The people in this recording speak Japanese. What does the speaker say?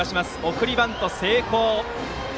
送りバント成功。